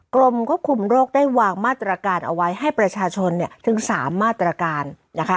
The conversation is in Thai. กรมควบคุมโรคได้วางมาตรการเอาไว้ให้ประชาชนถึง๓มาตรการนะคะ